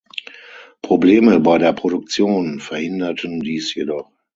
Probleme bei der Produktion verhinderten dies jedoch.